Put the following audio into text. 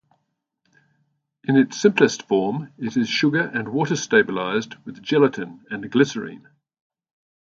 In its simplest form, it is sugar and water stabilized with gelatin and glycerine.